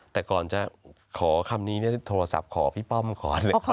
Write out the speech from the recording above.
แต่ก่อนจะขอคำนี้โทรศัพท์ขอพี่ป้อมก่อนเลยครับ